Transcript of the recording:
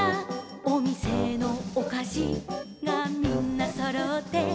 「おみせのおかしがみんなそろって」